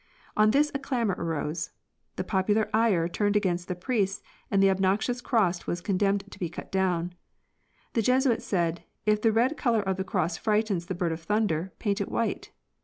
On this a clamor arose. The popular ire turned against the priests, and the obnoxious cross was condemned to be cut down. The Jesuits said: "If the red color of the cross frightens the bird of thunder, paint it white."